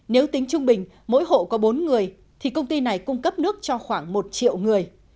nếu tính trung bình mỗi hộ có bốn người thì công ty này cung cấp nước cho khoảng một triệu người